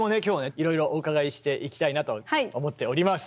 いろいろお伺いしていきたいなと思っております。